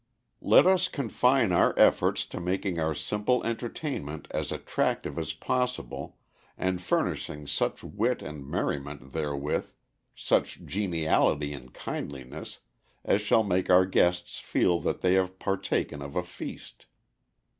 Let us confine our efforts to making our simple entertainment as attractive as possible, and furnishing such wit and merriment therewith, such geniality and kindliness, as shall make our guests feel that they have partaken of a feast."